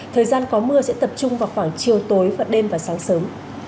thời gian có mưa sẽ tập trung vào khoảng chiều tối và đêm và sáng sớm